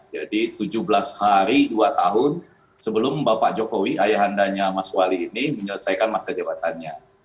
jadi tujuh belas hari dua tahun sebelum bapak jokowi ayahandanya mas wali ini menyelesaikan masa jabatannya